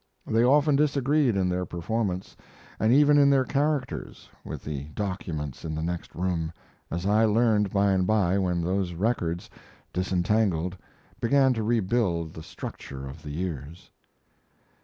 They often disagreed in their performance, and even in their characters, with the documents in the next room, as I learned by and by when those records, disentangled, began to rebuild the structure of the years.